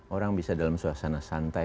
orang bisa dalam suasana santai